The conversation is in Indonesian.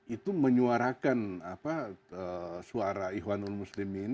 itu menyuarakan suara ikhwanul muslimin